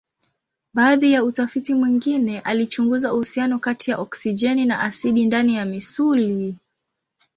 Baadhi ya utafiti mwingine alichunguza uhusiano kati ya oksijeni na asidi ndani ya misuli.